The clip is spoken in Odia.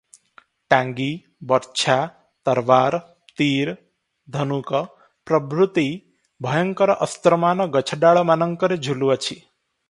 ଟାଙ୍ଗି, ବର୍ଚ୍ଛା, ତରବାର, ତୀର, ଧନୁକ ପ୍ରଭୃତି ଭୟଙ୍କର ଅସ୍ତ୍ରମାନ ଗଛଡାଳମାନଙ୍କରେ ଝୁଲୁଅଛି ।